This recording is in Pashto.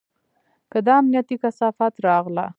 که دا امنيتي کثافات راغله.